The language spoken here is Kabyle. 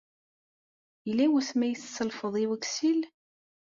Yella wasmi ay as-tselfeḍ i weksil?